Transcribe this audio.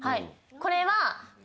これは私。